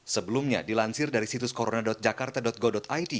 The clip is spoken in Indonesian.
sebelumnya dilansir dari situs corona jakarta go id